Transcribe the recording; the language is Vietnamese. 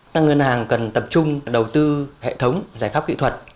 các ngân hàng cần tập trung đầu tư hệ thống giải pháp kỹ thuật